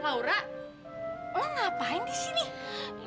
laura lo ngapain di sini